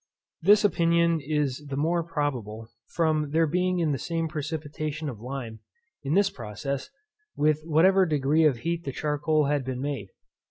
This opinion is the more probable, from there being the same precipitation of lime, in this process, with whatever degree of heat the charcoal had been made.